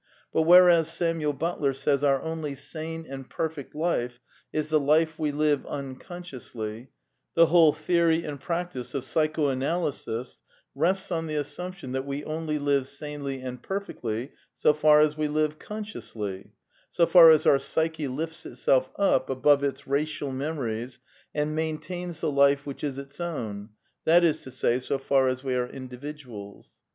But whereas Samuel Butler says our only sane and per fect life is the life we live unconsciously, the whole theory and practice of psychoanalysis rests on the assumption that we only live sanely and perfectly so far as we live consciously, so far as our psyche lifts itself up above its racial memories and maintains the life which is its own — that is to say, so far as we are individuals.